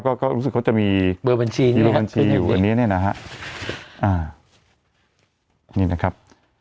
ก็รู้สึกเขาจะมีเบอร์บัญชีอยู่แบบนี้แน่น่ะครับ